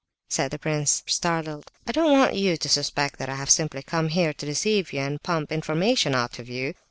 said the prince, startled. "I don't want you to suspect that I have simply come here to deceive you and pump information out of you!"